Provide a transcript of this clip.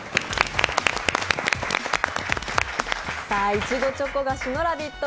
いちごチョコ菓子のラヴィット！